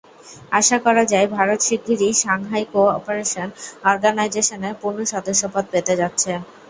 আশা করা যায়, ভারত শিগগিরই সাংহাই কো-অপারেশন অর্গানাইজেশনের পূর্ণ সদস্যপদ পেতে যাচ্ছে।